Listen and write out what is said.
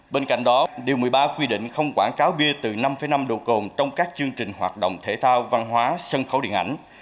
bên cạnh đó điều một mươi ba quy định không quảng cáo bia từ năm năm độ cồn trong các chương trình hoạt động thể thao văn hóa sân khấu điện ảnh